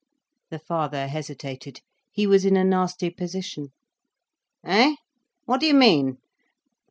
The father hesitated, he was in a nasty position. "Eh? What do you mean?